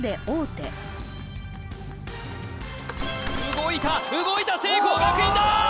動いた動いた聖光学院だー！